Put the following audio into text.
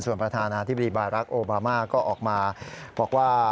ส่วนประธานาธิบดีบารักษ์โอบามาก็ออกมาบอกว่า